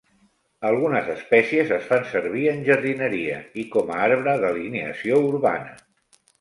Algunes espècies es fan servir en jardineria i com a arbre d'alineació urbana.